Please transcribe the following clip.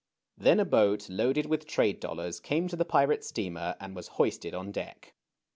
Then a boat loaded with trade dollars came to the pirate steamer and was hoisted on deck.